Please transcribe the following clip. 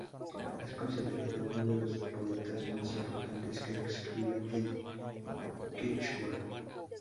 Es considerado uno de los poetas más importantes que escriben en kichwa.